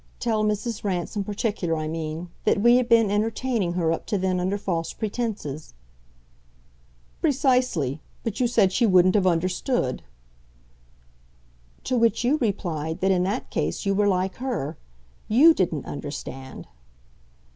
Tell Mrs. Rance, in particular, I mean, that we had been entertaining her up to then under false pretences." "Precisely but you said she wouldn't have understood." "To which you replied that in that case you were like her. YOU didn't understand."